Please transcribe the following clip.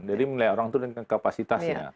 jadi menilai orang itu dengan kapasitasnya